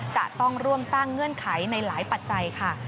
จะต้องร่วมสร้างเงื่อนไขในหลายปัจจัยค่ะ